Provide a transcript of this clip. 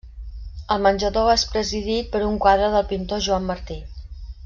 El menjador és presidit per un quadre del pintor Joan Martí.